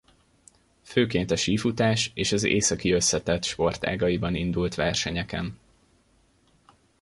Főként a sífutás és az északi összetett sportágaiban indult versenyeken.